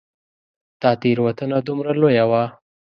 دا تېروتنه دومره لویه وه.